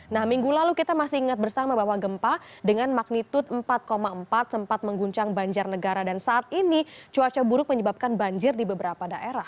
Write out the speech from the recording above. nah minggu lalu kita masih ingat bersama bahwa gempa dengan magnitud empat empat sempat mengguncang banjarnegara dan saat ini cuaca buruk menyebabkan banjir di beberapa daerah